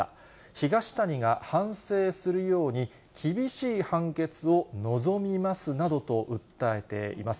東谷が反省するように厳しい判決を望みますなどと訴えています。